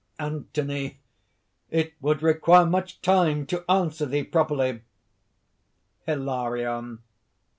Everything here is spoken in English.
ANTHONY. "It would require much time to answer thee properly!" HILARION.